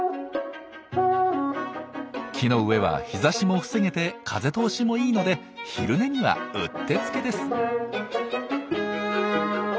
木の上は日ざしも防げて風通しもいいので昼寝にはうってつけです。